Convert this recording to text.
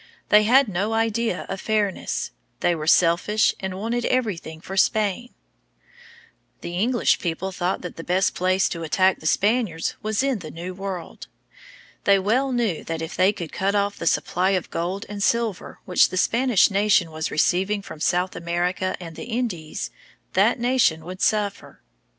They had no idea of fairness. They were selfish and wanted everything for Spain. The English people thought that the best place to attack the Spaniards was in the New World. They well knew that if they could cut off the supply of gold and silver which the Spanish nation was receiving from South America and the Indies, that nation would suffer.